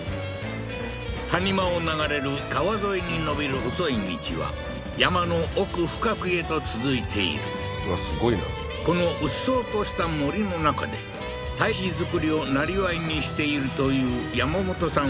谷間を流れる川沿いに延びる細い道は山の奥深くへと続いているこのうっそうとした森の中で堆肥作りをなりわいにしているというヤマモトさん